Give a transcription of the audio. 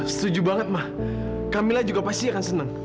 setuju banget ma kamilah juga pasti akan senang